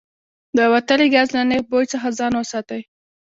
د وتلي ګاز له نیغ بوی څخه ځان وساتئ.